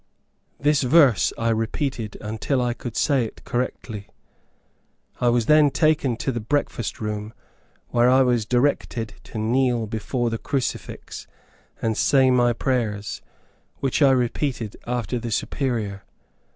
This verse I repeated until I could say it correctly. I was then taken to the breakfast room, where I was directed to kneel before the crucifix, and say my prayers, which I repeated after the Superior.